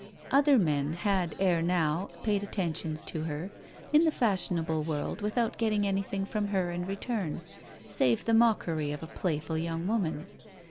Other men had ere now paid attentions to her in the fashionable world without getting anything from her in return save the mockery of a playful young woman.